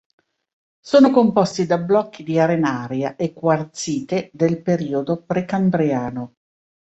Sono composti da blocchi di arenaria e quarzite del periodo Precambriano.